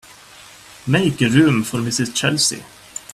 Make room for Mrs. Chelsea.